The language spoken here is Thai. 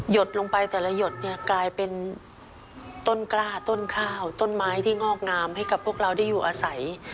ดลงไปแต่ละหยดเนี่ยกลายเป็นต้นกล้าต้นข้าวต้นไม้ที่งอกงามให้กับพวกเราได้อยู่อาศัย